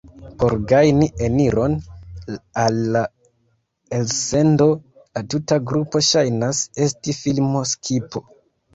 Por gajni eniron al la elsendo, la tuta grupo ŝajnas esti filmo-skipo.